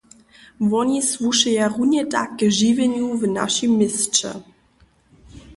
Woni słušeja runje tak k žiwjenju w našim měsće.